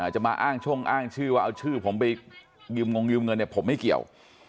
จะมาอ้างช่องอ้างชื่อว่าเอาชื่อผมไปยืมงยืมเงินเนี่ยผมไม่เกี่ยว